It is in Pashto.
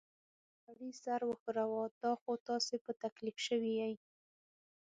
سړي سر وښوراوه: دا خو تاسې په تکلیف شوي ییۍ.